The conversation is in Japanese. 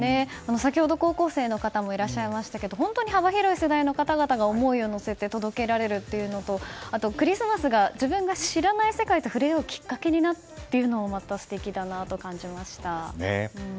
先ほど、高校生の方もいらっしゃいましたが本当に幅広い世代の方々が思いを乗せて届けられるというのとクリスマスが自分が知らない世界と触れ合うきっかけになるのも素敵だなと感じました。